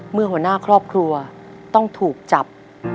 หัวหน้าครอบครัวต้องถูกจับ